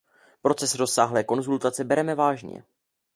Proces rozsáhlé konzultace bereme vážně.